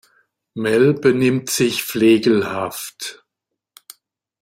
Mel benimmt sich flegelhaft.